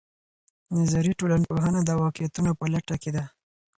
نظري ټولنپوهنه د واقعيتونو په لټه کې ده.